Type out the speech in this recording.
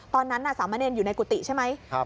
ตอนนั้นน่ะสามเมรินอยู่ในกุฏิใช่ไหมครับ